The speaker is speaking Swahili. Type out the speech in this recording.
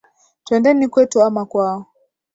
Twendeni kwetu ama kwao.